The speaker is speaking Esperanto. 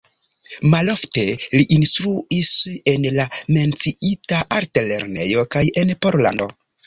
Malofte li instruis en la menciita altlernejo kaj en Pollando.